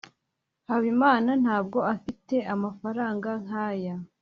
habimana ntabwo afite amafaranga nkaya